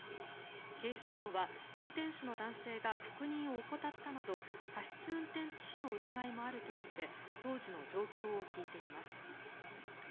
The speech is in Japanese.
警視庁は運転手の男性が確認を怠ったなど過失運転致死の疑いもあるとみて当時の状況を聞いています。